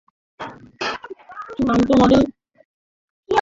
এরপর চুড়ান্ত মডেল পাওয়া গেলে সেটাই ক্লাইন্টকে ডেলিভার করা হয়।